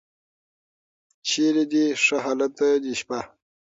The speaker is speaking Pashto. چېرې دې ښه هلته دې شپه.